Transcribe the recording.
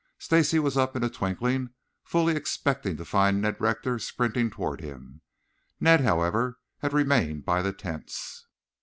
Stacy was up in a twinkling, fully expecting to find Ned Rector sprinting towards him. Ned, however, had remained by the tents.